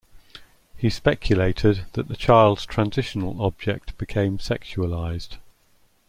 He speculated that the child's transitional object became sexualized.